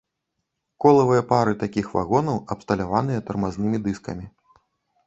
Колавыя пары такіх вагонаў абсталяваныя тармазнымі дыскамі.